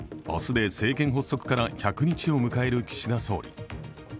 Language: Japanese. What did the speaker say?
明日で政権発足から１００日を迎える岸田総理。